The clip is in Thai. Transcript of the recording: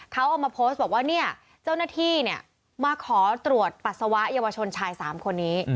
เขาเอามาโพสต์บอกว่าเนี่ยเจ้าหน้าที่มาขอตรวจปัสสาวะเยาวชนชาย๓คนนี้